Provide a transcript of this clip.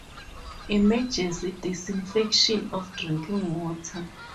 Emergency Disinfection of Drinking Water